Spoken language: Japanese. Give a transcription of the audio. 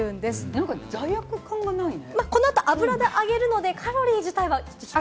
なんか罪悪感がないね。